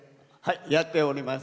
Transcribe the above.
やっております。